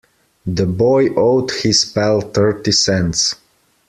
The boy owed his pal thirty cents.